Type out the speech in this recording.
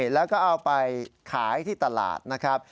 แล้วก็เอาไปขายที่ตลาดนะครับ